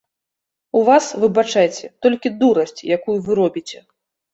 У вас, выбачайце, толькі дурасць, якую вы робіце.